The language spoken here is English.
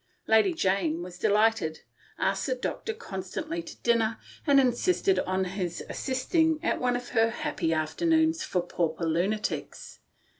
Lady Jane was delighted ; asked the doctor constantly to dinner, and insisted on his assisting at one of the Happy Afternoons for Pauper Lunatics.